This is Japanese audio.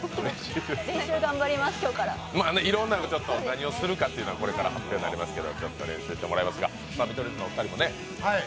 何をするかは、これから発表になりますが、ちょっと練習してもらいますが、見取り図のお二人もね。